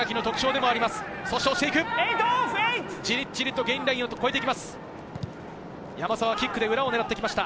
じりじりとゲインインラインを超えていきます。